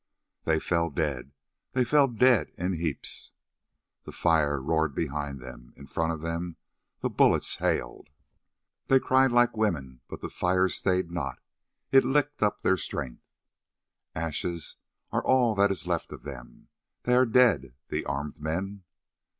"They fell dead, they fell dead in heaps. "The fire roared behind them, in front of them the bullets hailed. "They cried like women, but the fire stayed not; it licked up their strength. "Ashes are all that is left of them; they are dead, the armed men.